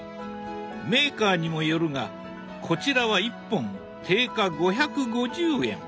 メーカーにもよるがこちらは１本定価５５０円。